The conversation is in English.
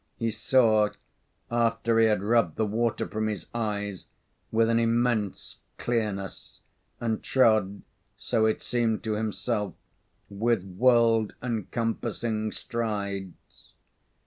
He saw, after he had rubbed the water from his eyes, with an immense clearness, and trod, so it seemed to himself with world encompassing strides.